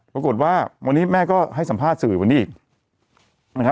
ปรากฏว่าวันนี้แม่ก็ให้สัมภาษณ์สื่อวันนี้อีกนะครับ